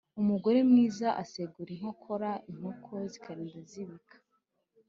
Umugore mwiza asegura inkokora inkoko zikarinda zibika.